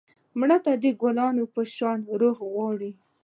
مړه ته د ګلونو په شان روح غواړو